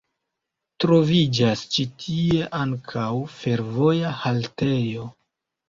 Troviĝas ĉi tie ankaŭ fervoja haltejo.